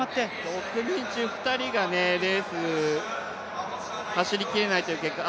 ６人中２人がレース、走りきれないという結果